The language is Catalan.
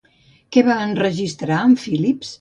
Què va enregistrar amb Philips?